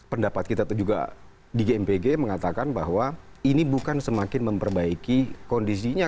pendapat kita itu juga di gmpg mengatakan bahwa ini bukan semakin memperbaiki kondisinya